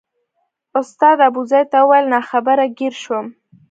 استاد ابوزید ته وویل ناخبره ګیر شوم.